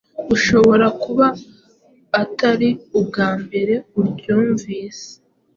ushobora kuba atari ubwa mbere uryumvise